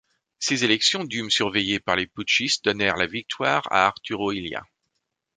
Ces élections dûment surveillées par les putschistes donnèrent la victoire à Arturo Illia.